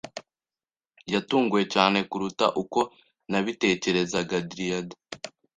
Yatunguwe cyane kuruta uko nabitekerezaga. (driada)